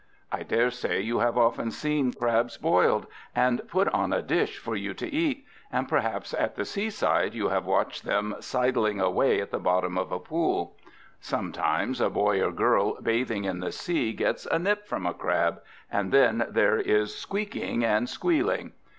I daresay you have often seen crabs boiled, and put on a dish for you to eat; and perhaps at the seaside you have watched them sidling away at the bottom of a pool. Sometimes a boy or girl bathing in the sea gets a nip from a crab, and then there is squeaking and squealing.